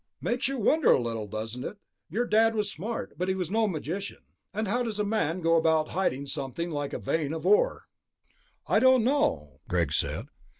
"Makes you wonder a little, doesn't it? Your Dad was smart, but he was no magician. And how does a man go about hiding something like a vein of ore?" "I don't know," Greg said.